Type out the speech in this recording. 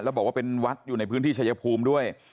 แล้วบอกว่าเป็นวัดอยู่ในพื้นที่ชายภูมิด้วย